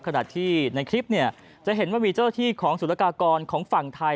ขณะที่ในคลิปเนี่ยจะเห็นว่ามีเจ้าที่ของสุรกากรของฝั่งไทย